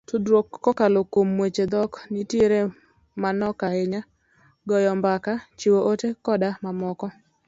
Tudruok kokalo kuom weche dhok nitiere manok ahinya, goyo mbaka, chiwo ote koda mamoko.